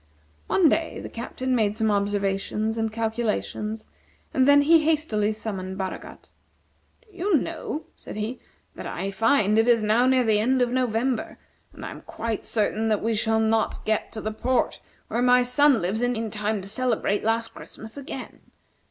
One day the Captain made some observations and calculations, and then he hastily summoned Baragat. "Do you know," said he, "that I find it is now near the end of November, and I am quite certain that we shall not get to the port where my son lives in time to celebrate last Christmas again.